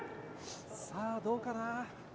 さあ、どうかな。